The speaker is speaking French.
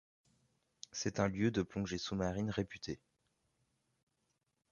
C'est un lieu de plongée sous-marine réputé.